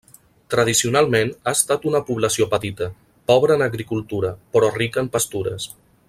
Tradicionalment ha estat una població petita, pobra en agricultura, però rica en pastures.